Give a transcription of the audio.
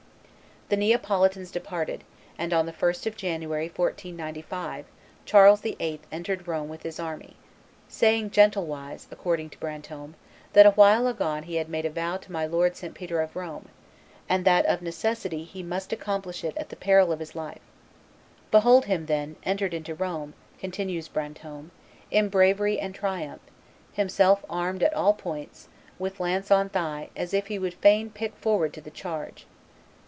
The Neapolitans departed, and on the 1st of January, 1495, Charles VIII. entered Rome with his army, "saying gentlewise," according to Brantome, "that a while agone he had made a vow to my lord St. Peter of Rome, and that of necessity he must accomplish it at the peril of his life. Behold him, then, entered into Rome," continues Brantome, "in bravery and triumph, himself armed at all points, with lance on thigh, as if he would fain pick forward to the charge.